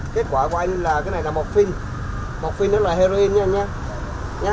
kết quả của anh là cái này là một phim một phim rất là heroin nha anh nhé